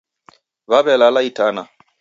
Waw'elala itana